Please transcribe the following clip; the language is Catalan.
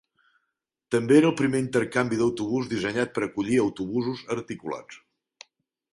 També era el primer intercanvi d'autobús dissenyat per acollir autobusos articulats.